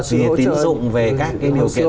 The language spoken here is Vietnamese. vì tín dụng về các cái điều kiện sống